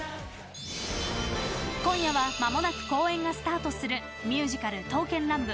今夜は間もなく公演がスタートするミュージカル「刀剣乱舞」